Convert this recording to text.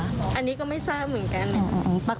อันนี้ก็ไม่ทราบเหมือนกัน